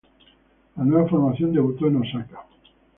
La nueva formación debutó en Osaka.